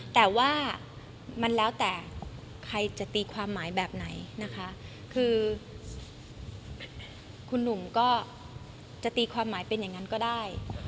แต่ว่ามันแล้วแต่ใครจะตีความหมายแบบไหนนะคะคือคุณหนุ่มก็จะตีความหมายเป็นอย่างนั้นก็ได้